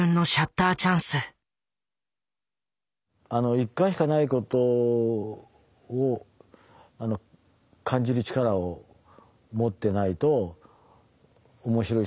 一回しかない事を感じる力を持ってないと面白い写真は撮れない。